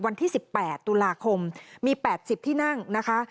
วันที่๑๘ตุลาคมมี๘๐ที่นั่งนะคะ